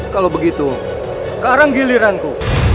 kalau begitu sekarang giliranku